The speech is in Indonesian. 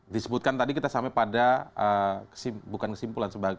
disebutkan tadi kita sampai pada bukan kesimpulan